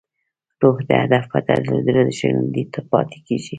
روح د هدف په درلودو ژوندی پاتې کېږي.